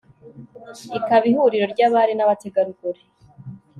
ikaba ihuriro ry'abari n'abategarugori